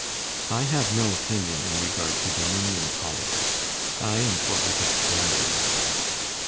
"I have no opinion in regard to Dominion politics. I am for British Columbia."